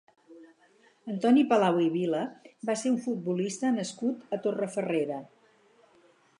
Antoni Palau i Vila va ser un futbolista nascut a Torrefarrera.